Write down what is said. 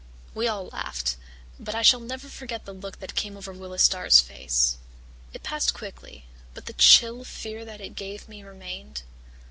"We all laughed, but I shall never forget the look that came over Willis Starr's face. It passed quickly, but the chill fear that it gave me remained.